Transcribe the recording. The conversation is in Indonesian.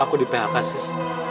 aku di phk sis